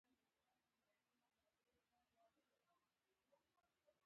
د غله مور يا وينې خورې يا سپينې